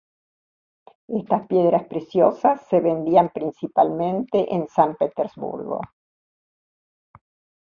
Estas piedras preciosas se vendían principalmente en San Petersburgo.